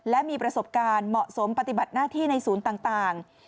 และมีประสบการณ์เหมาะสมปฏิบัติหน้าที่ในศูนย์ต่าง